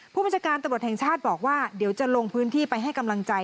ผู้บัญชาการตำรวจแห่งชาติบอกว่าเดี๋ยวจะลงพื้นที่ไปให้กำลังใจ